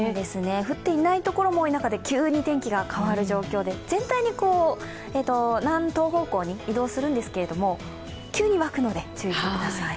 降っていないところも多い中で急に天気が変わる状況で全体に南東方向に移動するんですけど、急に湧くので注意してください。